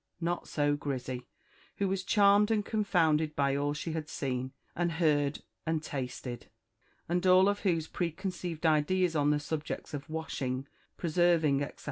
Not so Grizzy, who was charmed and confounded by all she had seen, and heard, and tasted, and all of whose preconceived ideas on the subjects of washing, preserving, etc.